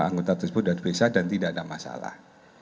anggota tersebut sudah diperiksa dan tidak ada masalah